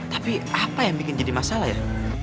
tapi apa yang bikin jadi masalah ya